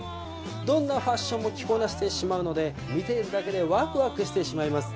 どんなファッションも着こなしてしまうので見ているだけでワクワクしてしまいます。